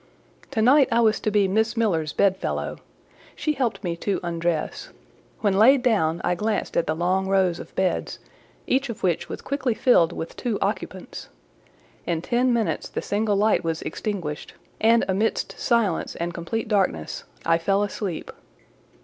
To night I was to be Miss Miller's bed fellow; she helped me to undress: when laid down I glanced at the long rows of beds, each of which was quickly filled with two occupants; in ten minutes the single light was extinguished, and amidst silence and complete darkness I fell asleep.